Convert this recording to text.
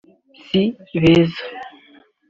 Si beza